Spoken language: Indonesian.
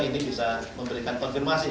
ini bisa memberikan konfirmasi